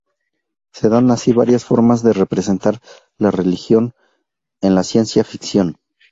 Se dan así varias formas de representar la religión en la ciencia ficción.